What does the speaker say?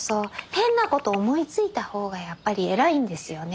変なことを思いついた方がやっぱり偉いんですよね。